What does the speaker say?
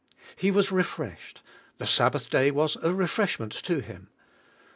He was refreshed, the Sabbath day was a refreshment to Him.